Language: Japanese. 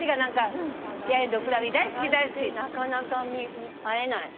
探してなかなか会えない。